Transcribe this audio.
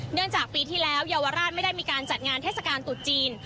เนื่องจากปีที่แล้วเยาวราชไม่ได้มีการจัดงานเทศกาลตุดจีน